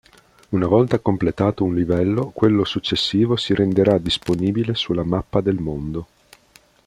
Una volta completato un livello, quello successivo si renderà disponibile sulla mappa del mondo.